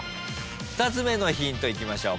２つ目のヒントいきましょう。